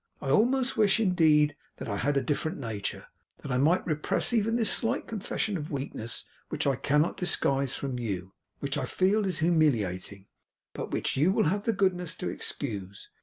I almost wish, indeed, that I had a different nature, that I might repress even this slight confession of weakness; which I cannot disguise from you; which I feel is humiliating; but which you will have the goodness to excuse.